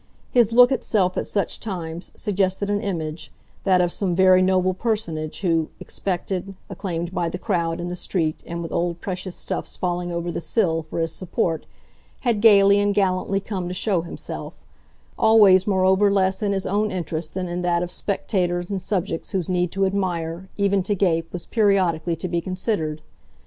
His look itself, at such times, suggested an image that of some very noble personage who, expected, acclaimed by the crowd in the street and with old precious stuffs falling over the sill for his support, had gaily and gallantly come to show himself: always moreover less in his own interest than in that of spectators and subjects whose need to admire, even to gape, was periodically to be considered.